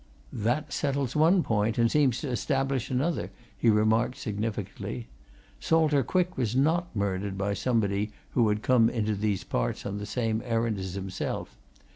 "That settles one point and seems to establish another," he remarked significantly. "Salter Quick was not murdered by somebody who had come into these parts on the same errand as himself.